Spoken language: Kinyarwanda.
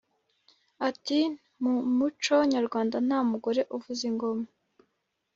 ati “mu muco nyarwanda nta mugore uvuza ingoma,